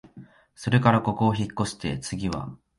それからここをひっこして、つぎは、